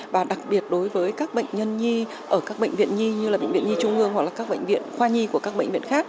và đặc biệt đối với các bệnh nhân nhi ở các bệnh viện nhi như là bệnh viện nhi trung ương hoặc là các bệnh viện khoa nhi của các bệnh viện khác